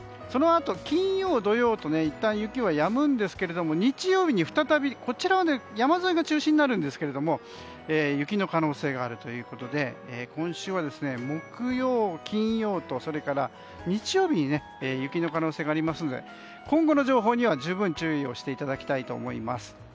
そのあと金曜、土曜といったん雪はやむんですけども日曜日に再びこちらは山沿いが中心になるんですが雪の可能性があるということで今週は木曜、金曜と日曜日に雪の可能性がありますので今後の情報には十分注意をしていただきたいと思います。